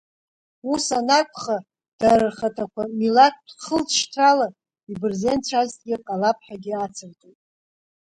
Ус анакәха, дара рхаҭақәа милаҭтә хылҵшьҭрала ибырзенцәазҭгьы ҟалап ҳәагь ацырҵоит.